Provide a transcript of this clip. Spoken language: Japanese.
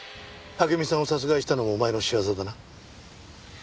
暁美さんを殺害したのもお前の仕業だな？